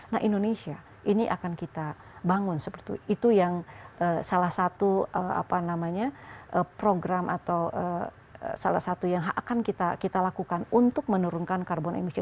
nah indonesia ini akan kita bangun itu yang salah satu program atau salah satu yang akan kita lakukan untuk menurunkan carbon emission